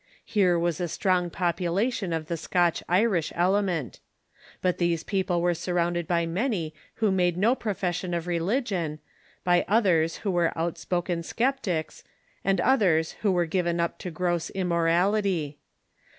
Here was a strong popu lation of the Scotch Irish element. But these people were surrounded by many who made no profession of religion, by others who were outspoken sceptics, and others who were given up to gross immorality.